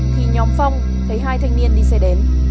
thì nhóm phong thấy hai thanh niên đi xe đến